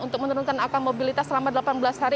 untuk menurunkan akan mobilitas selama delapan belas hari